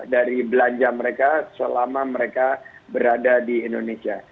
dari belanja mereka selama mereka berada di indonesia